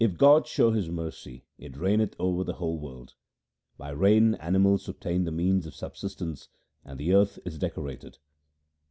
If God show His mercy it raineth over the whole world. By rain animals obtain the means of subsistence, and the earth is decorated.